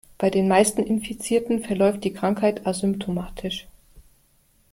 Bei den meisten Infizierten verläuft die Krankheit asymptomatisch.